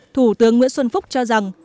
thủ tướng nguyễn xuân phúc cho rằng